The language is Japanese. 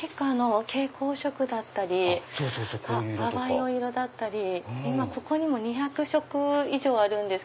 蛍光色だったり淡いお色だったりここに２００色以上あるんです。